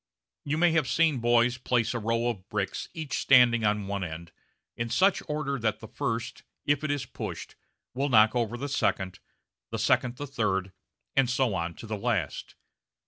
You may have seen boys place a row of bricks, each standing on one end, in such order that the first, if it is pushed, will knock over the second, the second the third, and so on to the last.